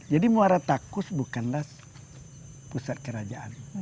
jadi mora takus bukanlah pusat kerajaan